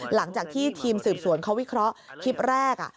หลังจากที่ทีมสืบสวนเขาวิเคราะห์คลิปแรก